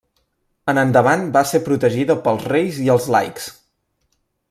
En endavant va ser protegida pels reis i els laics.